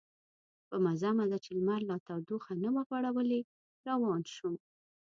په مزه مزه چې لمر لا تودوخه نه وه غوړولې روان شوم.